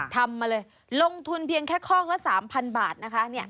ทำมาเลยลงทุนเพียงแค่ข้องละ๓๐๐บาทนะคะ